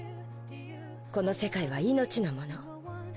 この世界は命のもの。